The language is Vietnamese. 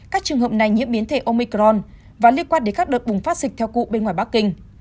các trường hợp này nhiễm biến thể omicron và liên quan đến các đợt bùng phát dịch theo cụ bên ngoài bắc kinh